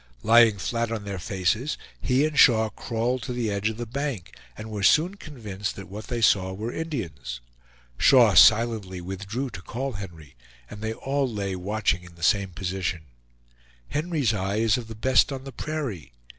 Lying flat on their faces, he and Shaw crawled to the edge of the bank, and were soon convinced that what they saw were Indians. Shaw silently withdrew to call Henry, and they all lay watching in the same position. Henry's eye is of the best on the prairie.